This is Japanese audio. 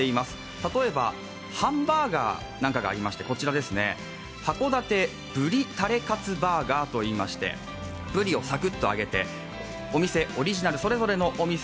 例えばハンバーガーなんかがありまして函館ブリたれカツバーガーといいましてブリをサクッと揚げてお店オリジナル、それぞれのお店